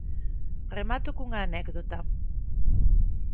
Remato cunha anécdota.